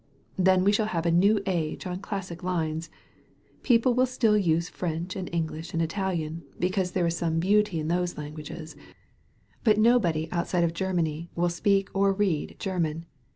Then we shall have a new age on classic lines. People will still use French and English and Italian because there is some beauty 144 THE HEARING EAR in those languages. But nobody outside of Grer many will speak or read German.